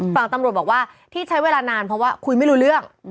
ฝั่งตำรวจบอกว่าที่ใช้เวลานานเพราะว่าคุยไม่รู้เรื่อง